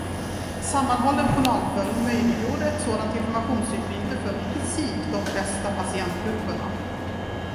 Sammanhållen journalföring möjliggjorde ett sådant informationsutbyte för i princip de flesta patientgrupperna.